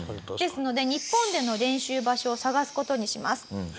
ですので日本での練習場所を探す事にします。